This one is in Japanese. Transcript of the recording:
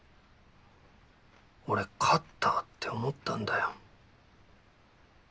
俺勝ったって思ったんだよ。